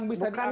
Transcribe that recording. bukan di koran